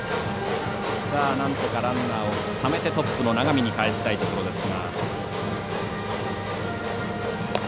なんとかランナーをためてトップの永見にかえしたいところですが。